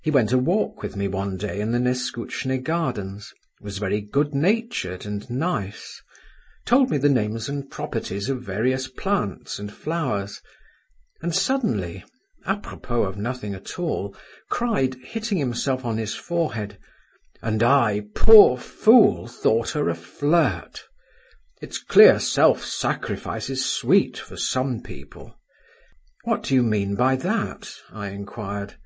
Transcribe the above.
He went a walk with me one day in the Neskutchny gardens, was very good natured and nice, told me the names and properties of various plants and flowers, and suddenly, à propos of nothing at all, cried, hitting himself on his forehead, "And I, poor fool, thought her a flirt! it's clear self sacrifice is sweet for some people!" "What do you mean by that?" I inquired.